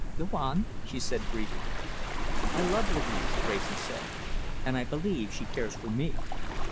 "Go on," she said briefly. "I love Louise," Wrayson said, "and I believe she cares for me.